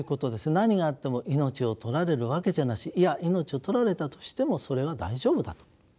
何があっても命を取られるわけじゃなしいや命を取られたとしてもそれは大丈夫だと。